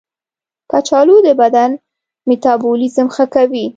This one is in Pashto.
کچالو د بدن میتابولیزم ښه کوي.